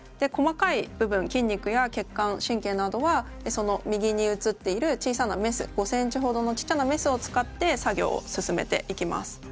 細かい部分筋肉や血管神経などはその右にうつっている小さなメス５ｃｍほどのちっちゃなメスを使って作業を進めていきます。